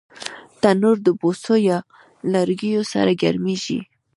تنور د بوسو یا لرګیو سره ګرمېږي